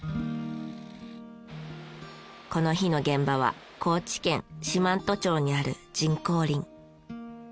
この日の現場は高知県四万十町にある人工林。